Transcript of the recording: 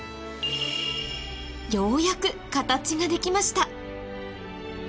ようやく形が出来ました